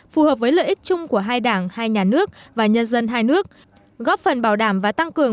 phù hợp với lợi ích chung của hai đảng hai nhà nước và nhân dân hai nước góp phần bảo đảm và tăng cường